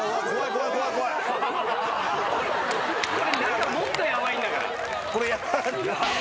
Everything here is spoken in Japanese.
これ中もっとヤバいんだから。